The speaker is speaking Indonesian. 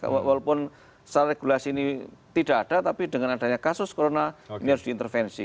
walaupun secara regulasi ini tidak ada tapi dengan adanya kasus corona ini harus diintervensi